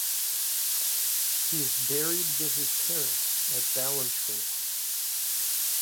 He is buried with his parents at Ballantrae.